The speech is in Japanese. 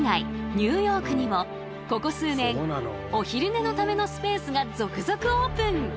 ニューヨークにもここ数年お昼寝のためのスペースが続々オープン。